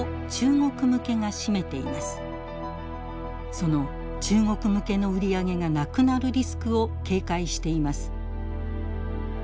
その中国向けの売り上げがなくなるリスクを警戒しています。